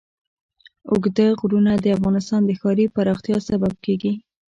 اوږده غرونه د افغانستان د ښاري پراختیا سبب کېږي.